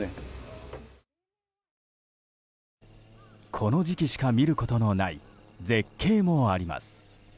この時期しか見ることのない絶景もあります。